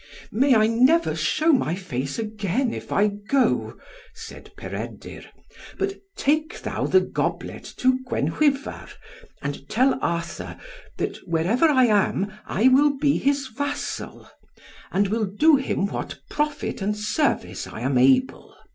"May I never shew my face again, if I go," said Peredur, "but take thou the goblet to Gwenhwyvar, and tell Arthur, that wherever I am, I will be his vassal, and will do him what profit and service I am able.